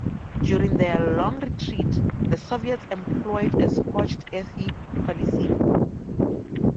During their long retreat, the Soviets employed a scorched earth policy.